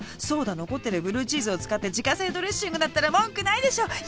そうだ残ってるブルーチーズを使って自家製ドレッシングだったら文句ないでしょ。